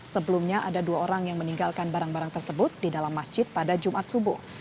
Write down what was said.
sebelumnya ada dua orang yang meninggalkan barang barang tersebut di dalam masjid pada jumat subuh